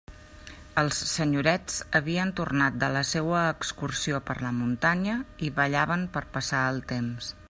Els senyorets havien tornat de la seua excursió per «la muntanya», i ballaven per passar el temps.